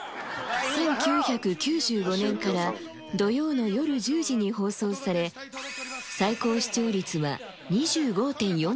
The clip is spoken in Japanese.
１９９５年から土曜の夜１０時に放送され、最高視聴率は２５．４％。